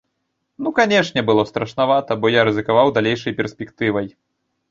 Ну, канешне, было страшнавата, бо я рызыкаваў далейшай перспектывай.